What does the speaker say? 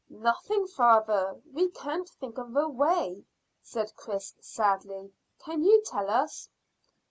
"Nothing, father. We can't think of a way," said Chris sadly. "Can you tell us?"